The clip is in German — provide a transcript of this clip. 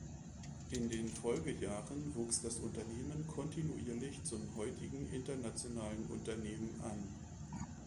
In den Folgejahren wuchs das Unternehmen kontinuierlich zum heutigen internationalen Unternehmen an.